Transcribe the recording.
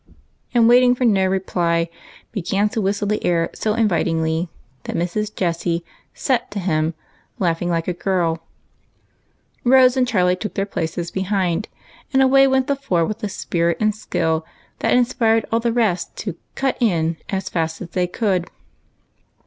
and, waiting for no reply, began to whistle the air so invit ingly that Mrs. Jessie " set " to him laughing like a girl ; Rose and Charlie took their places behind, and away went the four with a spirit and skill that inspired all the rest to " cut in " as fast as they could.